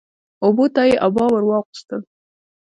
اوبو ته يې عبا ور واغوستل